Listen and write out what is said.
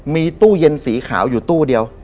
มีตู้เย็นสีขาวอยู่ตู้เดียว